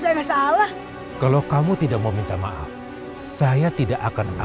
jalan misterius itu tidak akan